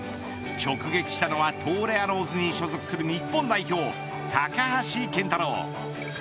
直撃したのは東レアローズに所属する日本代表、高橋健太郎。